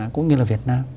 cũng như là việt nam